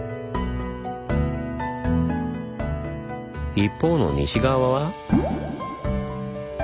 一方の西側は？